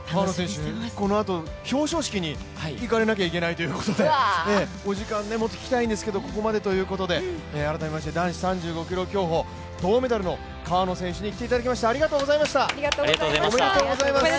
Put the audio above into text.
このあと表彰式に行かれないといけないということでお時間、もっと聞きたいんですけどここまでということで、改めまして、男子３５ｋｍ競歩銅メダルの川野選手にあ！